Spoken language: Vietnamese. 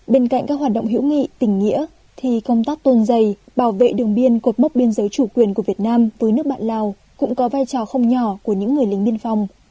bên cạnh các hoạt động hữu nghị tỉnh nghĩa thì công tác tôn dày bảo vệ đường biên cột mốc biên giới chủ quyền của việt nam với nước bạn lào cũng có vai trò không nhỏ của những người lính biên phòng